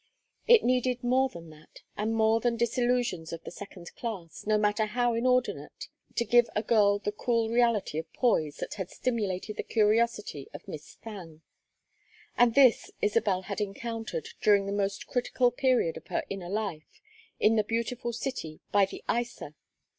It needed more than that, and more than disillusions of the second class, no matter how inordinate, to give a girl the cool reality of poise that had stimulated the curiosity of Miss Thangue; and this Isabel had encountered, during the most critical period of her inner life, in the beautiful city by the Isar.